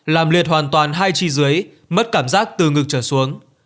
làm liệt hoàn toàn hai chi dưới mất cảm giác từ ngực trở xuống